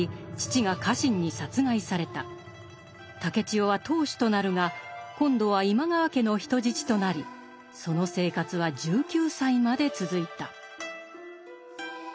竹千代は当主となるが今度は今川家の人質となりその生活は１９歳まで続いた。